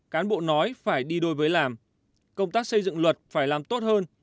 cán bộ nói phải đi đôi với làm công tác xây dựng luật phải làm tốt hơn